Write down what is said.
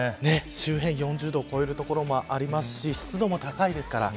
周辺４０度を超える所もありますし湿度も高いですから。